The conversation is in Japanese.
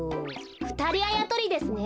ふたりあやとりですね。